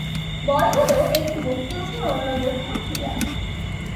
বল হল একটি বস্তুর ওপর অন্য বস্তুর ক্রিয়া।